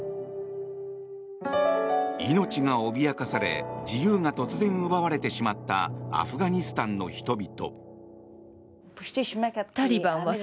命が脅かされ自由が突然奪われてしまったアフガニスタンの人々。